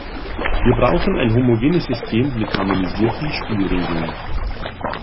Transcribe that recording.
Wir brauchen ein homogenes System mit harmonisierten Spielregeln.